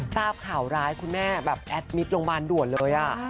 ทราบข่าวร้ายคุณแม่แบบแอดมิตรโรงพยาบาลด่วนเลย